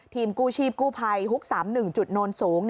กู้ชีพกู้ภัยฮุก๓๑จุดโนนสูง